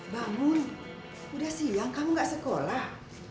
bangun udah siang kamu gak sekolah